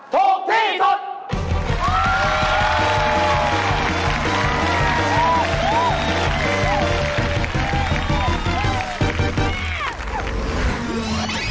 ถูกที่สุด